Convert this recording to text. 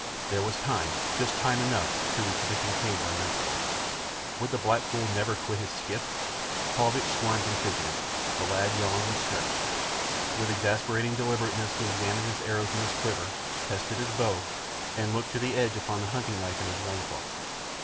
There was time, just time enough, to reach the Kincaid by nightfall. Would the black fool never quit his skiff? Paulvitch squirmed and fidgeted. The lad yawned and stretched. With exasperating deliberateness he examined the arrows in his quiver, tested his bow, and looked to the edge upon the hunting knife in his loin cloth.